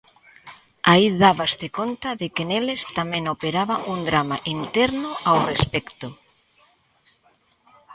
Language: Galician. Aí dábaste conta de que neles tamén operaba un drama interno ao respecto.